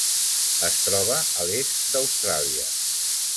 Es troba a l'est d'Austràlia.